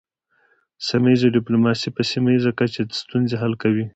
سیمه ایز ډیپلوماسي په سیمه ایزه کچه ستونزې حل کوي